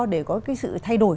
để có cái sự thay đổi